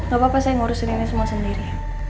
gak apa apa saya ngurusin ini semua sendiri